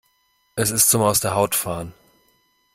Es ist zum aus der Haut fahren!